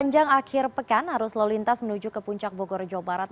panjang akhir pekan harus lolintas menuju ke puncak bogor jawa barat